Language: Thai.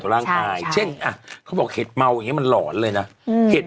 ไม่รู้จะบอกอย่างไรไหม